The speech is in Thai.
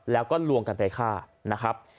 แล้วก็ลวงกันไปฆ่านะครับ